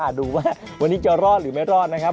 ดูว่าวันนี้จะรอดหรือไม่รอดนะครับ